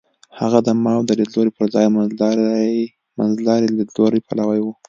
هغه د ماوو د لیدلوري پر ځای منځلاري لیدلوري پلوی و.